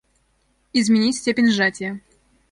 Изменить степень сжатия